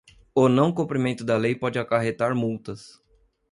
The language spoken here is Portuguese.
O não cumprimento da lei pode acarretar multas.